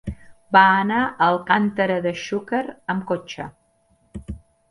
Va anar a Alcàntera de Xúquer amb cotxe.